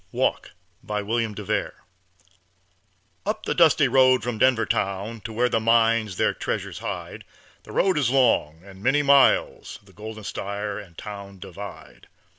WALK BY WILLIAM DEVERE Up the dusty road from Denver town To where the mines their treasures hide, The road is long, and many miles, The golden styre and town divide.